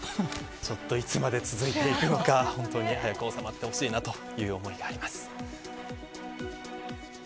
いつまで続いていくのか早く収まってほしいという思いがあります。